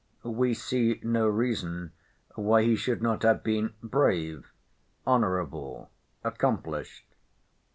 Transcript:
We see no reason why he should not have been brave, honourable, accomplished.